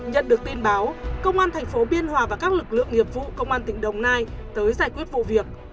nhận được tin báo công an thành phố biên hòa và các lực lượng nghiệp vụ công an tỉnh đồng nai tới giải quyết vụ việc